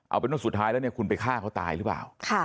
เอาเป็นว่าสุดท้ายแล้วเนี่ยคุณไปฆ่าเขาตายหรือเปล่า